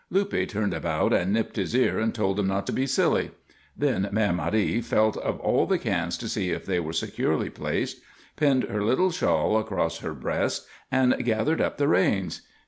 Luppe turned about and nipped his ear and told him not to be silly. Then Mère Marie felt of all the cans to see if they were securely placed, pinned her little shawl across her breast, and gathered up the reins.